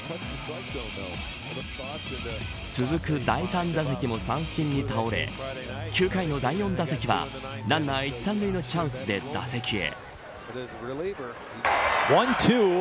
続く第３打席も三振にたおれ９回の第４打席はランナー１、３塁のチャンスで打席へ。